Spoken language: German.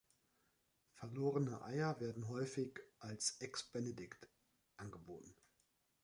Verlorene Eier werden häufig als Eggs Benedict angeboten.